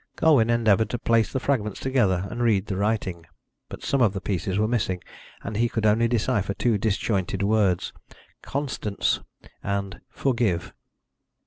Colwyn endeavoured to place the fragments together and read the writing. But some of the pieces were missing, and he could only decipher two disjointed words "Constance" and "forgive."